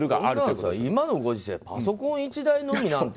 そんなのさ、今のご時世パソコン１台のみなんて。